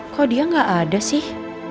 kok dia nggak ada sih